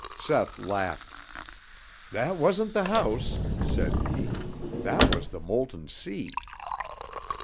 Seth laughed. "That wasn't the house," said he. "That was the molten sea."